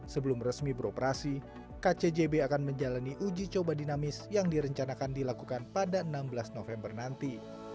sebelum resmi beroperasi kcjb akan menjalani uji coba dinamis yang direncanakan dilakukan pada enam belas november nanti